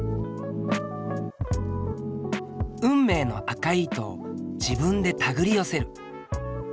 運命の赤い糸を自分でたぐり寄せる。